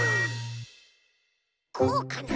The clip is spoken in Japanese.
こうかな？